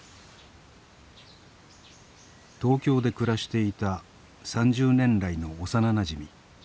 東京で暮らしていた３０年来の幼なじみ。